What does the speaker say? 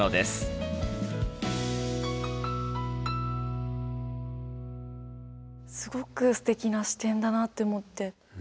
すごくすてきな視点だなって思って。